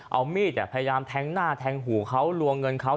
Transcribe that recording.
เอามีดพยายามแทงหน้าแทงหูเขาลวงเงินเขา